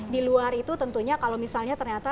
diluar itu tentunya kalau misalnya ternyata